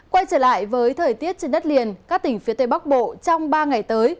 quay trở lại với thời tiết trên đất liền các tỉnh phía tây bắc bộ trong ba ngày tới